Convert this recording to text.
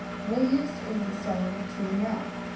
What use is the stone to you now?